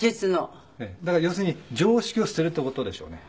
だから要するに常識を捨てるって事でしょうね。